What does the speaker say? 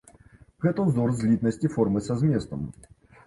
Гэта ўзор злітнасці формы са зместам.